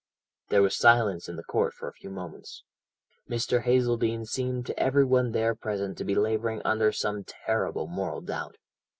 "There was silence in the court for a few moments. Mr. Hazeldene seemed to every one there present to be labouring under some terrible moral doubt.